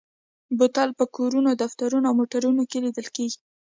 بوتل په کورونو، دفترونو او موټرو کې لیدل کېږي.